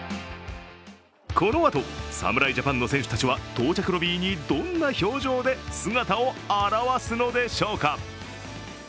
このあと侍ジャパンの選手たちは到着ロビーにどんな表情で姿を現すのでしょうか。